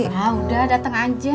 nah udah dateng aja